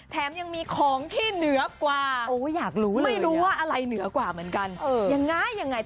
แถมยังมีของที่เหนือกว่าแอหนูว่าอะไรเหนือกว่าเหมือนกันอย่างง่ากี้